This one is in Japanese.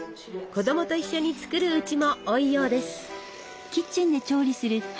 子供と一緒に作るうちも多いようです。